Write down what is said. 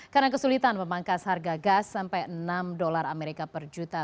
karena kesulitan memangkas harga gas sampai enam dolar amerika per juta